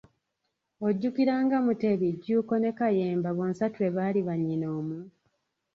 Ojjukira nga Mutebi, Jjuuko ne Kayemba bonsatule baali bannyina omu.